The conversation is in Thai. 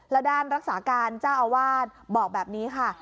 แล้วด้านรักษาการเจ้าอาวาสบอกแบบนี้ค่ะ